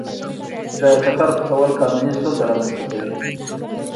د ټکر پټول قانوني ستونزه رامنځته کوي.